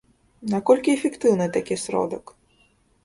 Наколькі эфектыўны такі сродак?